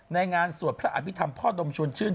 งานสวดพระอภิษฐรรมพ่อดมชวนชื่น